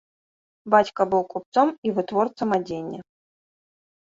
Бацька быў купцом і вытворцам адзення.